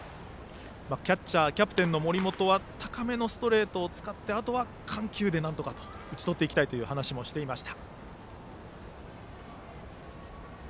キャッチャーキャプテンの森本は高めのストレートを使ってあとは緩急でなんとか打ち取っていきたいという話もしていました。